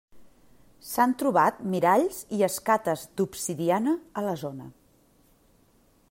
S'han trobat miralls i escates d'obsidiana a la zona.